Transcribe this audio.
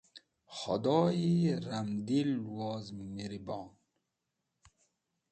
Khẽdoyi ramdil woz miribon.